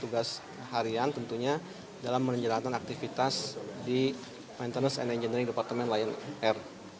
tugas harian tentunya dalam menjalankan aktivitas di maintenance and engineering departemen lion air